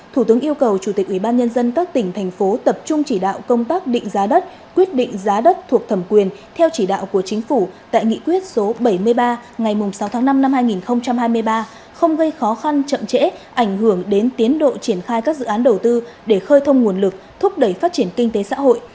thủ tướng yêu cầu chủ tịch ubnd các tỉnh thành phố tập trung chỉ đạo công tác định giá đất quyết định giá đất thuộc thẩm quyền theo chỉ đạo của chính phủ tại nghị quyết số bảy mươi ba ngày sáu tháng năm năm hai nghìn hai mươi ba không gây khó khăn chậm trễ ảnh hưởng đến tiến độ triển khai các dự án đầu tư để khơi thông nguồn lực thúc đẩy phát triển kinh tế xã hội